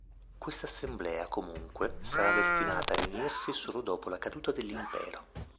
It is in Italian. Questa assemblea, comunque, sarà destinata a riunirsi solo dopo la caduta dell'impero.